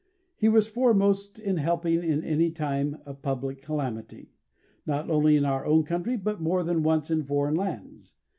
He was foremost in helping in any time of public calamity, not only in our own country but more than once in foreign lands.